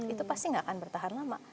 itu pasti nggak akan bertahan lama